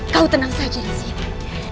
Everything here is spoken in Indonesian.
kau tenang saja disini